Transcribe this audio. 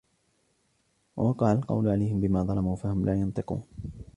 ووقع القول عليهم بما ظلموا فهم لا ينطقون